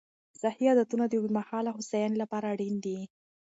صحي عادتونه د اوږدمهاله هوساینې لپاره اړین دي.